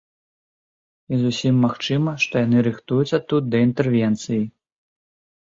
І зусім магчыма, што яны рыхтуюцца тут да інтэрвенцыі.